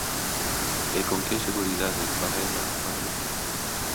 E con que seguridade para ela e para nós?